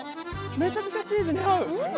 めちゃくちゃチーズが合う。